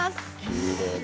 きれいだ。